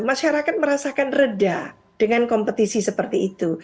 masyarakat merasakan reda dengan kompetisi seperti itu